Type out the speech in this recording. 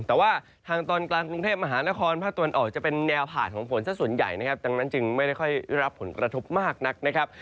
แต่ว่าทางตอนกลางกรุงเทพมหานครภาคตะวันออกจะเป็นแนวผ่านของฝนสักส่วนใหญ่นะครับดังนั้นจึงไม่ได้ค่อยรับผลกระทบมากนักนะครับ